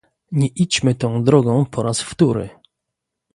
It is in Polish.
Nie idźmy tą drogą po raz wtóry